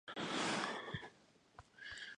明日はテストがあります。